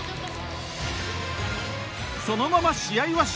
そのまま試合は終了。